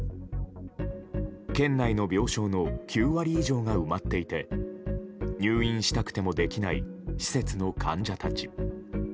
県内の病床の９割以上が埋まっていて入院したくてもできない施設の患者たち。